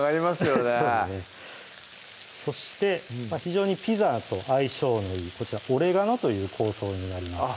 そうですねそして非常にピザと相性のいいこちらオレガノという香草になります